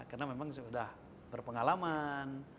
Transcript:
karena memang sudah berpengalaman